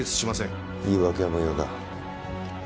言い訳は無用だ。